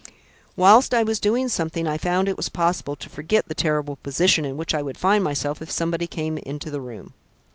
"Whilst I was doing something I found it was possible to forget the terrible position in which I would find myself if somebody came into the room.